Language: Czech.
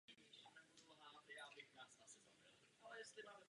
Pod jeho vedením byly překládány spisy Otců Církve.